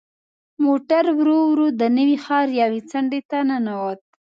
موټر ورو ورو د نوي ښار یوې څنډې ته ننوت.